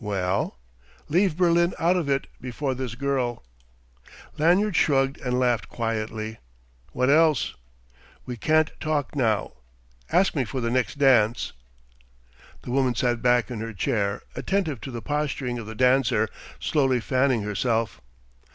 "Well?" "Leave Berlin out of it before this girl." Lanyard shrugged and laughed quietly. "What else?" "We can't talk now. Ask me for the next dance." The woman sat back in her chair, attentive to the posturing of the dancer, slowly fanning herself.